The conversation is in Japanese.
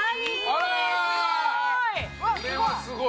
これはすごい！